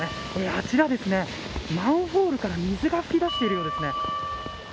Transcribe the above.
あちら、マンホールから水が噴き出しているんですね。